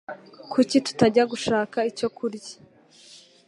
Kuki tutajya gushaka icyo kurya?